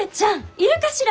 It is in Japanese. いるかしら？